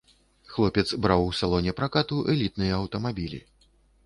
Хлопец браў у салоне пракату элітныя аўтамабілі.